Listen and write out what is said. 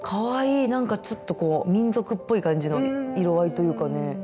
なんかちょっとこう民族っぽい感じの色合いというかね。